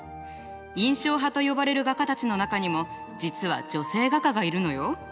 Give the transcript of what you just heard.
印象派と呼ばれる画家たちの中にも実は女性画家がいるのよ。